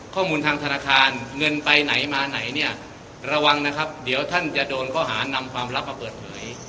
ข้อมูลทางธนาคารเงินไปไหนมาไหนเนี่ยระวังนะครับเดี๋ยวท่านจะโดนข้อหานำความลับมาเปิดเผย